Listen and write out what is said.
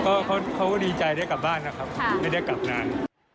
ก็เขาดีใจได้กลับบ้านนะครับไม่ได้กลับนาน